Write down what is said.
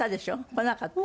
こなかった？